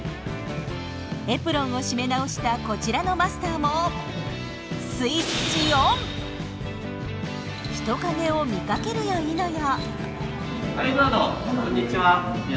エプロンを締め直したこちらのマスターも人影を見かけるやいなや。